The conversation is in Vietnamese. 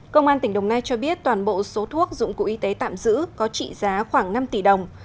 công an tỉnh đồng nai cho biết toàn bộ số thuốc dụng cụ y tế tạm giữ có trị giá khoảng năm tỷ đồng